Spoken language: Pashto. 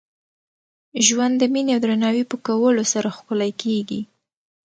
ژوند د میني او درناوي په کولو سره ښکلی کېږي.